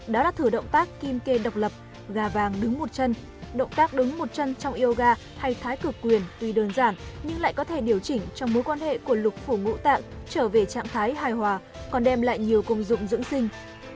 đó là thử động tác kim kê độc lập gà vàng đứng một chân động tác đứng một chân trong yoga hay thái cực quyền tuy đơn giản nhưng lại có thể điều chỉnh trong mối quan hệ của lục phủ mũ tạng trở về trạng thái hài hòa còn đem lại nhiều công dụng dưỡng sinh